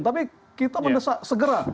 tapi kita mendesak segera